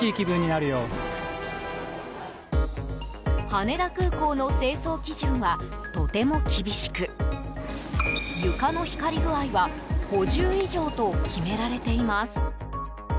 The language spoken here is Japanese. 羽田空港の清掃基準はとても厳しく床の光り具合は５０以上と決められています。